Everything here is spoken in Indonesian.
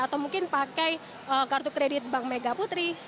atau mungkin pakai kartu kredit bank mega putri